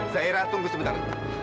zaira tunggu sebentar